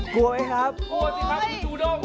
กลัวไหมครับโอ้ยกลัวสิครับดูด้ม